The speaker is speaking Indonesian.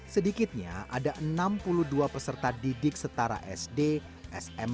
sedikitnya ada enam puluh dua peserta didik setara sd smp